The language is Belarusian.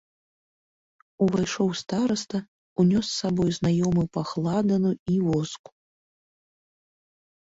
Увайшоў стараста, унёс з сабой знаёмы пах ладану й воску.